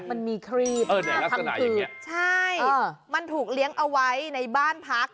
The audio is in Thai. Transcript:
มันมีครีบทำคืนใช่มันถูกเลี้ยงเอาไว้ในบ้านพัก